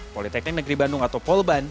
politeknik negeri bandung atau polban